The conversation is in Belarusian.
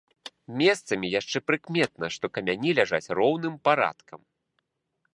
Месцамі яшчэ прыкметна, што камяні ляжаць роўным парадкам.